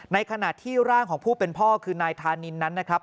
ในขณะที่ร่างของผู้เป็นพ่อคือนายธานินนั้นนะครับ